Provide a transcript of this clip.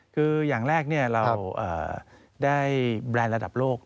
คืออย่างแรกเราได้แบรนด์ระดับโลก